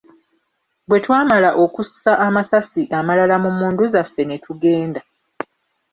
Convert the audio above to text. Bwe twamala okussa amasasi amalala mu mmundu zaffe ne tugenda.